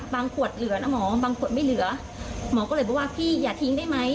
ขวดเหลือนะหมอบางขวดไม่เหลือหมอก็เลยบอกว่าพี่อย่าทิ้งได้ไหม